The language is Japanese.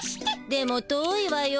でも遠いわよ。